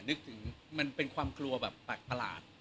นึกถึงเป็นความคลัวแบบปากตาย